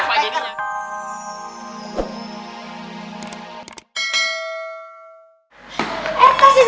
oh yang buat sound gitu ya